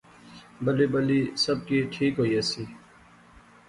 بلی بلی سب کی ٹھیک ہوئی ایسی